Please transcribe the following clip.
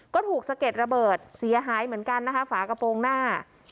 ก็ถูกสะเก็ดระเบิดเสียหายเหมือนกันนะคะฝากระโปรงหน้า